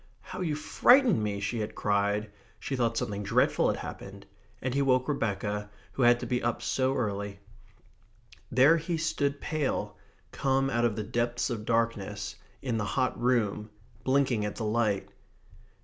"How you frightened me!" she had cried. She thought something dreadful had happened. And he woke Rebecca, who had to be up so early. There he stood pale, come out of the depths of darkness, in the hot room, blinking at the light.